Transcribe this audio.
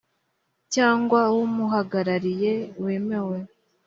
cyangwa w umuhagarariye wemewe